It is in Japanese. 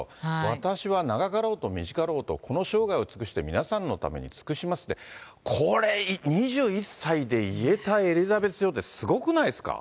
私は長かろうと短かろうと、この生涯を尽くして皆さんのために尽くしますって、これ２１歳で言えたエリザベス女王って、すごくないですか。